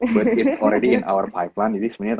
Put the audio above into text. but it's already in our pipeline jadi sebenarnya